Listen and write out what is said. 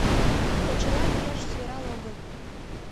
— Почела йӱаш сӧрал огыл.